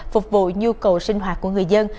phục vụ nhu cầu sinh hoạt của người dân